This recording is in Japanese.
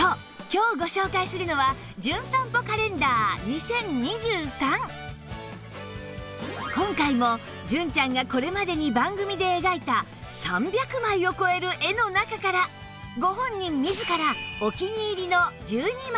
今日ご紹介するのは今回も純ちゃんがこれまでに番組で描いた３００枚を超える絵の中からご本人自ら